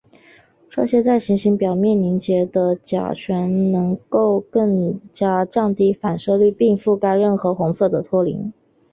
这些在行星表面凝结的甲烷能够更加降低反射率并覆盖任何红色的托林。